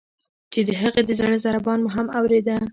چې د هغې د زړه ضربان مو هم اوریده.